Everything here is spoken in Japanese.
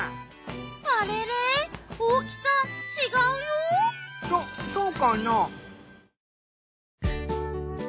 あれれ大きさ違うよ。そそうかな？